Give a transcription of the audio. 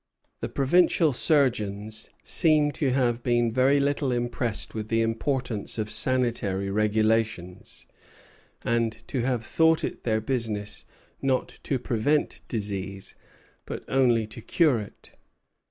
The provincial surgeons seem to have been very little impressed with the importance of sanitary regulations, and to have thought it their business not to prevent disease, but only to cure it.